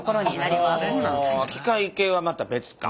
機械系はまた別か。